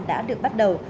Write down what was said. đã được bắt đầu